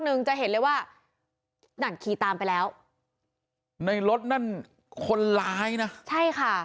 หนึ่งจะเห็นเลยว่านั่นขี่ตามไปแล้วในรถนั่นคนร้ายนะใช่ค่ะ